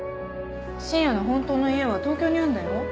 深夜の本当の家は東京にあるんだよ。